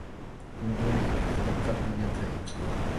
ومن دونكِ حتماً قلبي ينتهي.